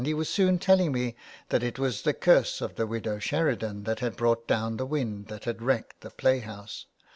priest, and was soon telling me that it was the curse of the Widow Sheridan that had brought down the wind that had wrecked the play house.